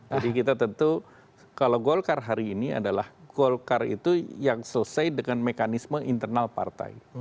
jadi kita tentu kalau golkar hari ini adalah golkar itu yang selesai dengan mekanisme internal partai